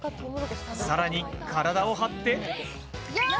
さらに体を張って。